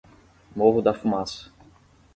Morro da Fumaça